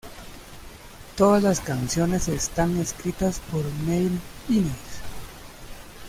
Todas las canciones están escritas por Neil Innes.